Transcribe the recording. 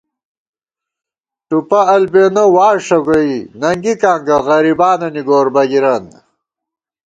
ٹُوپہ البېنہ واݭہ گوئی ننگِکاں گہ غریبانَنی گور بَگِرَن